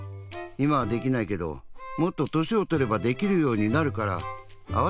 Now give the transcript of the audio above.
いまはできないけどもっととしをとればできるようになるからあわてないでよ。